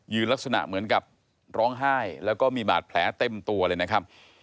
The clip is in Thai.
ลักษณะเหมือนกับร้องไห้แล้วก็มีบาดแผลเต็มตัวเลยนะครับ